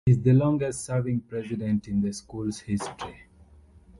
He is the longest serving President in the school's history.